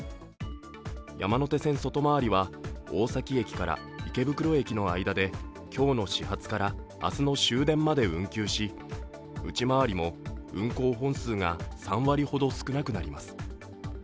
山手線外回りは大崎駅から池袋駅の間で今日の始発から明日の終電まで運休し内回りも運行本数が３割ほど少なくなります。